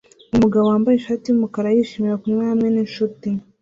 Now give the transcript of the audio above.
Umugabo wambaye ishati yumukara yishimira kunywa hamwe ninshuti